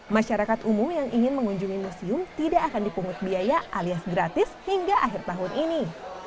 masyarakat umum yang ingin mengunjungi museum tidak akan dipungut biaya alias gratis hingga akhir tahun ini